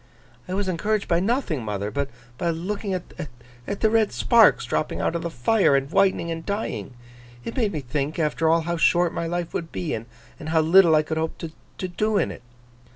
'I was encouraged by nothing, mother, but by looking at the red sparks dropping out of the fire, and whitening and dying. It made me think, after all, how short my life would be, and how little I could hope to do in it.